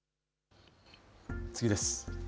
次です。